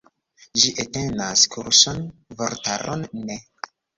Ĝi entenas kurson, vortaron ne.